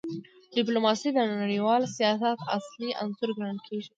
ډیپلوماسي د نړیوال سیاست اصلي عنصر ګڼل کېږي.